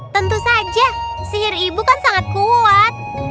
tentu saja sihir ibu kan sangat kuat